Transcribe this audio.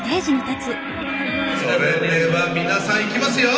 それでは皆さんいきますよ。